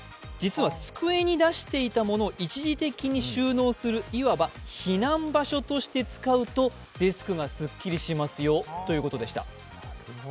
実は机に出していたものを一時的に収納する、いわば避難場所として使うとデスクがすっきりしますよということでした。